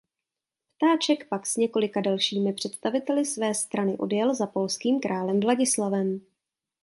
Ptáček pak s několika dalšími představiteli své strany odjel za polským králem Vladislavem.